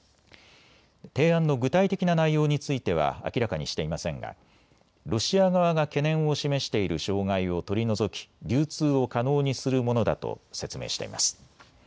提案の具体的な内容については明らかにしていませんがロシア側が懸念を示している障害を取り除き流通を可能にするものだと説明しています。